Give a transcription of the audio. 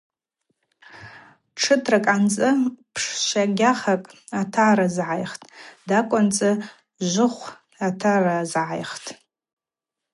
Тшытракӏ анцӏы пщшвагьашвакӏ атарызгӏайхтӏ, тӏакӏв анцӏы жвыхв атарызгӏайхтӏ.